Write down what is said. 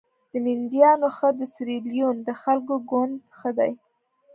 د مینډیانو ښه د سیریلیون د خلکو ګوند ښه دي.